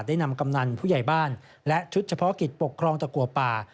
ได้นำกำนันผู้ใหญ่บ้านและชุดเฉพาะกิจปกครองตะกัวป่า